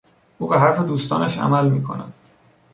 او به حرف دوستانش عمل میکند.